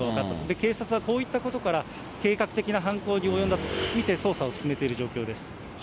警察はこういったことから、計画的な犯行に及んだと見て捜査を進めている状況です。